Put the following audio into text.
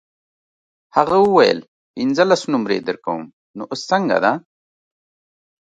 هغه وویل پنځلس نمرې درکوم نو اوس څنګه ده.